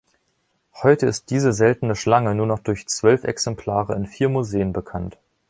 Heute ist diese seltene Schlange nur noch durch zwölf Exemplare in vier Museen bekannt.